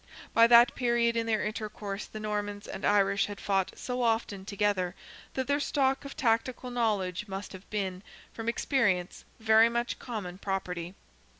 By that period in their intercourse the Normans and Irish had fought so often together that their stock of tactical knowledge must have been, from experience, very much common property.